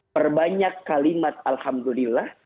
perbanyak kalimat alhamdulillah